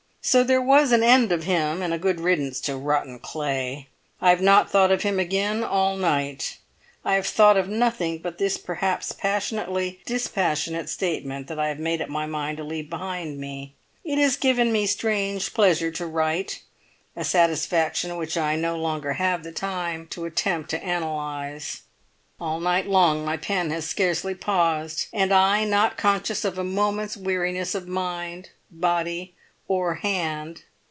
So there was an end of him, and a good riddance to rotten clay. I have not thought of him again all night. I have thought of nothing but this perhaps passionately dispassionate statement that I have made up my mind to leave behind me. It has given me strange pleasure to write, a satisfaction which I have no longer the time to attempt to analyse; all night long my pen has scarcely paused, and I not conscious of a moment's weariness of mind, body, or hand.